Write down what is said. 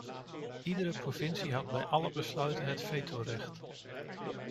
Iedere provincie had bij alle besluiten het vetorecht.